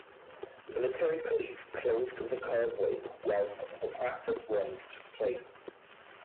Military police closed the causeway whilst the practice runs took place.